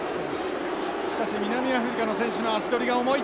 しかし南アフリカの選手の足取りが重い。